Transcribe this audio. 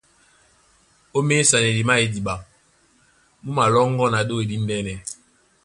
Ó měsanedi má idiɓa. Mú malɔ́ŋgɔ́ na ɗôy díndɛ̄nɛ.